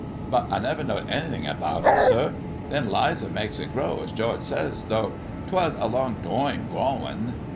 But I never knowed anythin' about it, sir. Then 'Lizer meks it grow es George ses, tho' 'twas a long toime growin'.